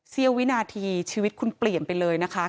วินาทีชีวิตคุณเปลี่ยนไปเลยนะคะ